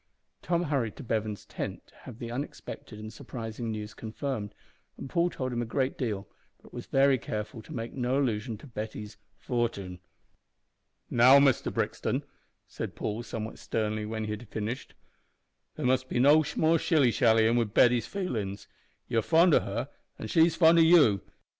Tom hurried to Bevan's tent to have the unexpected and surprising news confirmed, and Paul told him a good deal, but was very careful to make no allusion to Betty's "fortin." "Now, Mister Brixton," said Paul, somewhat sternly, when he had finished, "there must be no more shilly shallyin' wi' Betty's feelin's. You're fond o' her, an' she's fond o' you.